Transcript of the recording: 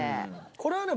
これはね